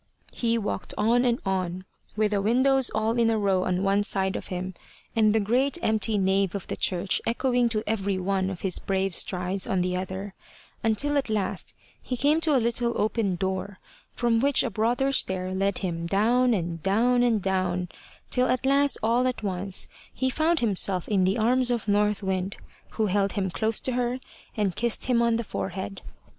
He walked on and on, with the windows all in a row on one side of him, and the great empty nave of the church echoing to every one of his brave strides on the other, until at last he came to a little open door, from which a broader stair led him down and down and down, till at last all at once he found himself in the arms of North Wind, who held him close to her, and kissed him on the forehead.